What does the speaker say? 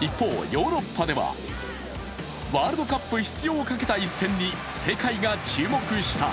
一方、ヨーロッパではワールドカップ出場をかけた一戦に世界が注目した。